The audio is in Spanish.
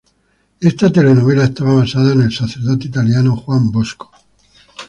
Esta telenovela está basada en el sacerdote italiano Juan Bosco.